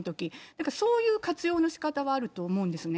だからそういう活用のしかたはあると思うんですね。